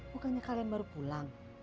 bukannya kalian baru pulang